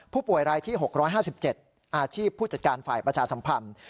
ผู้ป่วยรายที่๖๕๗อาชีพผู้จัดการฝ่ายประชาสัมพันธ์